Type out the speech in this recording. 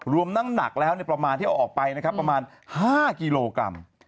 รวมนักแล้วในประมาณที่ออกไปนะครับประมาณ๕กิโลกรัม